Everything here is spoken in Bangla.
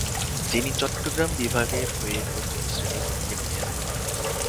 যিনি চট্টগ্রাম বিভাগের হয়ে প্রথম শ্রেণির ক্রিকেট খেলেন।